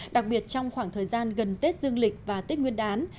đặc biệt trong khoảng thời gian gần tết dương lịch và tết nguyên đán